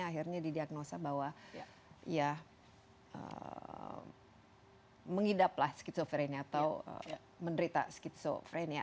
akhirnya didiagnosa bahwa ya mengidaplah skizofrenia atau menderita skizofrenia